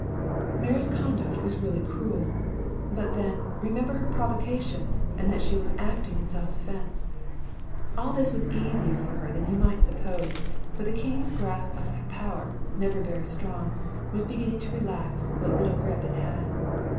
Mary's conduct was really cruel! but then, remember her provocation and that she was acting in self defense. All this was easier for her than you might suppose, for the king's grasp of power, never very strong, was beginning to relax even what little grip it had.